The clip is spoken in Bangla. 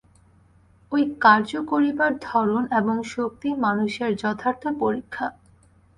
ঐ কার্য করিবার ধরন এবং শক্তিই মানুষের যথার্থ পরীক্ষা।